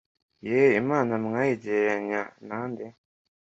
Ye Imana mwayigereranya na nde